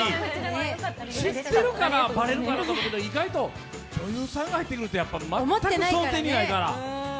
知ってるかな、バレるかなと思ったけど、女優さんが入ってくるとは全く想定にないから。